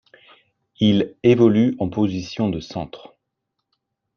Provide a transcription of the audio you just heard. Il évolue en position de centre.